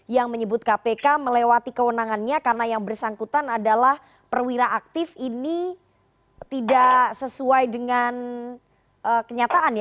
yang menyebut kpk melewati kewenangannya karena yang bersangkutan adalah perwira aktif ini tidak sesuai dengan kenyataan ya